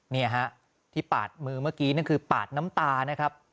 นี่ฮะที่ปาดมือเมื่อกี้นั่นคือปาดน้ำตานะครับ